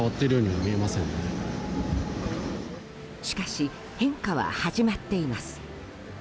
しかし変化は始まっています。